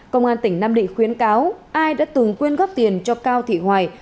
công an tỉnh nam định khuyến cáo ai đã từng khuyên gấp tiền cho cao thị hoài